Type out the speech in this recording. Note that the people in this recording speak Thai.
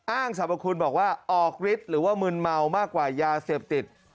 สรรพคุณบอกว่าออกฤทธิ์หรือว่ามึนเมามากกว่ายาเสพติด